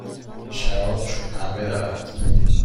این شراب چوب پنبه دارد.